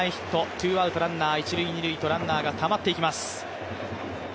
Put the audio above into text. ツーアウト一塁・二塁とランナーがたまっていきます。